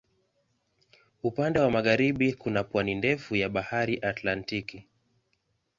Upande wa magharibi kuna pwani ndefu ya Bahari Atlantiki.